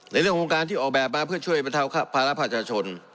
ในเรื่องของการที่ออกแบบมาเพื่อช่วยบรรเทาภาระประชาชน